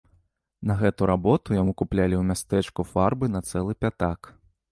На гэту работу яму куплялі ў мястэчку фарбы на цэлы пятак.